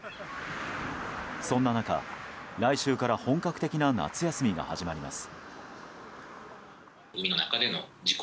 そんな中、来週から本格的な夏休みが始まります。